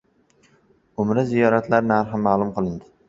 Umra ziyorati narxlari ma’lum qilindi